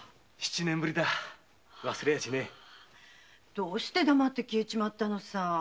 どうして黙って消えたのさ！